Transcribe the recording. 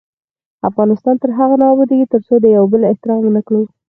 افغانستان تر هغو نه ابادیږي، ترڅو د یو بل احترام ونه کړو.